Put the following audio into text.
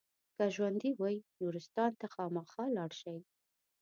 که ژوندي وئ نورستان ته خامخا لاړ شئ.